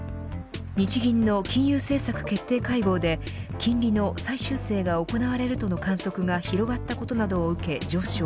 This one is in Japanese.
日銀の金融政策決定会合で金利の再修正が行われるとの観測が広がったことなどを受け上昇。